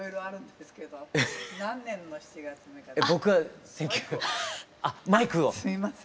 すいません。